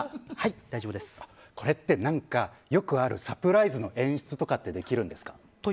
これって何か、よくあるサプライズの演出とかってできるんですか？